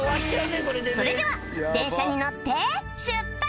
それでは電車に乗って出発！